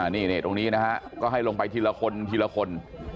นี่ตรงนี้นะฮะก็ให้ลงไปทีละคนทีละคน